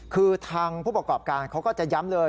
คือทางผู้ประกอบการเขาก็จะย้ำเลย